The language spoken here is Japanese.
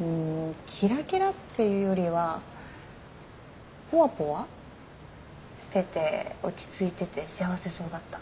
うんキラキラっていうよりはぽわぽわしてて落ち着いてて幸せそうだった。